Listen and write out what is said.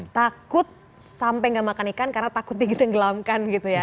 takut sampai nggak makan ikan karena takutnya ditenggelamkan gitu ya